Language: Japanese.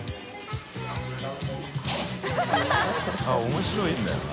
面白いんだよな。